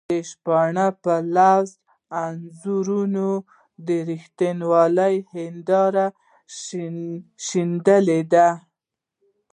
د شپون پر لفظي انځورونو د رښتینولۍ هېندارې شيندي.